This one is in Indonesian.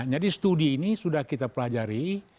jadi studi ini sudah kita pelajari